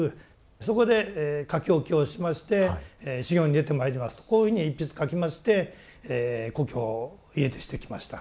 そこで書き置きをしまして「修行に出て参ります」とこういうふうに一筆書きまして故郷を家出してきました。